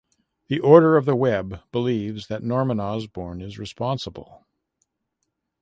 The Order of the Web believes that Norman Osborn is responsible.